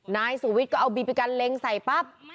นายสุวิทย์ก็เอาบีบีกันเล็งใส่ปั๊บ